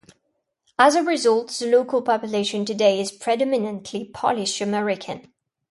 As a result, the local population today is predominantly Polish-American.